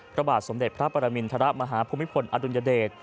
พระบาทสมเด็จพระปรมินทรมาฮภูมิพลอดุลยเดช